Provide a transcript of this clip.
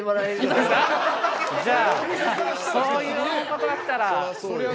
じゃあそういうことだったら。